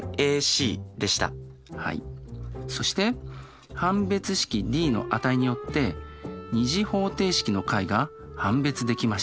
そして判別式Ｄの値によって２次方程式の解が判別できました。